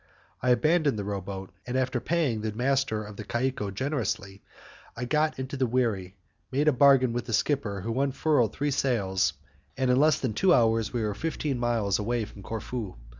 I abandoned the row boat, and, after paying the master of the caicco generously, I got into the wherry, made a bargain with the skipper who unfurled three sails, and in less than two hours we were fifteen miles away from Corfu.